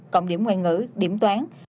cộng điểm ngoại ngữ điểm toán